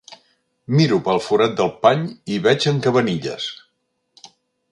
Miro pel forat del pany i hi veig en Cabanillas.